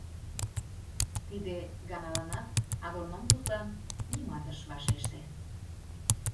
Тиде ганаланат агроном тудлан нимат ыш вашеште.